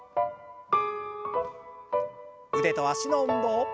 腕と脚の運動。